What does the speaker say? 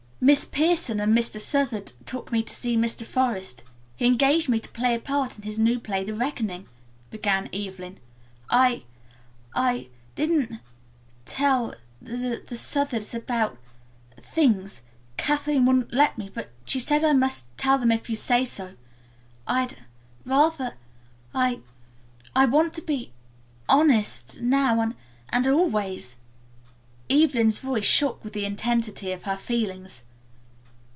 "Miss Pierson and Mr. Southard took me to see Mr. Forest. He engaged me to play a part in his new play 'The Reckoning,'" began Evelyn. "I I didn't tell the Southards about things. Kathleen wouldn't let me, but she says I must tell them if you say so. I'd rather. I I want to be honest now and and always." Evelyn's voice shook with the intensity of her feelings.